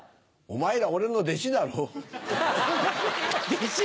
お前ら俺の弟子だろ？弟子？